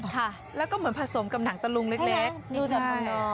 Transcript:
ค่ะแล้วก็เหมือนผสมกับหนังตะลุงเล็กเล็กใช่ไหมดูสักพวกน้อง